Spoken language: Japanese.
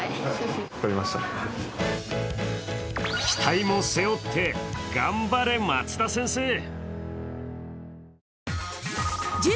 期待も背負って、頑張れ松田先生！